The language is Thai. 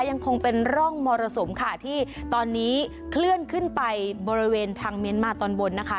ยังคงเป็นร่องมรสุมค่ะที่ตอนนี้เคลื่อนขึ้นไปบริเวณทางเมียนมาตอนบนนะคะ